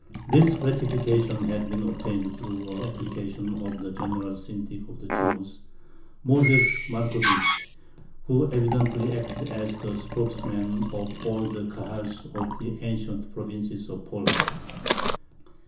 This ratification had been obtained through an application of the "general syndic of the Jews," Moses Markovich, who evidently acted as the spokesman of all the Kahals of the ancient provinces of Poland.